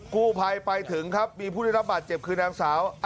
กู้ภัยไปถึงครับมีผู้ได้รับบาดเจ็บคือนางสาว